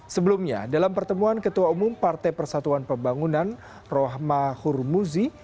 sebelumnya dalam pertemuan ketua umum partai persatuan pembangunan rohma hurmuzi